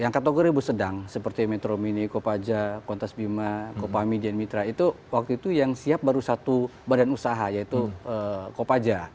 yang kategori bus sedang seperti metro mini kopaja kontes bima kopah mian mitra itu waktu itu yang siap baru satu badan usaha yaitu kopaja